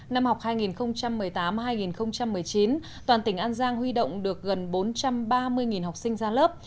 năm học hai nghìn một mươi tám hai nghìn một mươi chín toàn tỉnh an giang huy động được gần bốn trăm ba mươi học sinh ra lớp